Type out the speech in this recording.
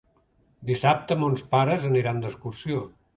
Dissabte mons pares aniran d'excursió.